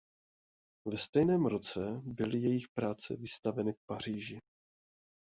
Ve stejném roce byly jejich práce vystaveny v Paříži.